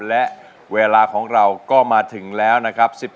และเวลาของเราก็มาถึงแล้วนะครับ